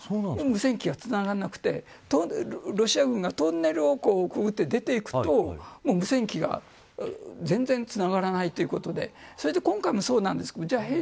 無線機がつながらなくてロシア軍がトンネルをくぐって出ていくともう無線機が全然つながらないということでそれで、今回もそうなんですがじゃあ、